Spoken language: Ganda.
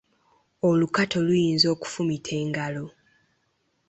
Olukato luyinza okukufumita engalo.